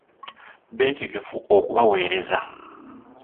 Beetegefu okubaweereza.